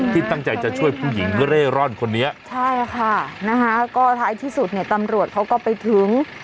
ที่ตั้งใจจะช่วยผู้หญิงเร่ร่อนคนนี้ใช่ค่ะนะคะก็ท้ายที่สุดเนี่ยตำรวจเขาก็ไปถึง